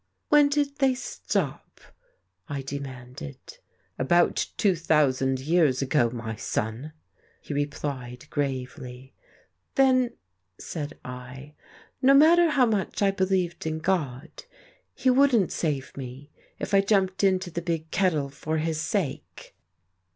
"When did they stop?" I demanded. "About two thousand years ago, my son," he replied gravely. "Then," said I, "no matter how much I believed in God, he wouldn't save me if I jumped into the big kettle for his sake?"